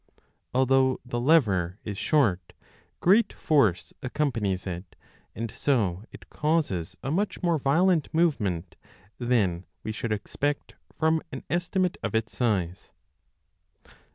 Although the lever is short, great force accompanies it, and so it causes a much more violent movement than we should expect from an estimate of its size.